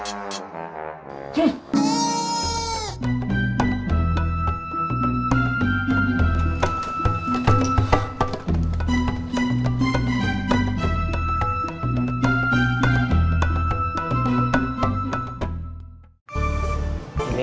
ya altura kembali lagi